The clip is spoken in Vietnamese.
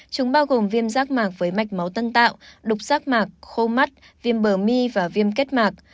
chúng bao gồm viêm rác mạc với mạch máu tân tạo đục rác mạc khô mắt viêm bờ my và viêm kết mạc